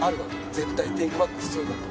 絶対テイクバック必要になる。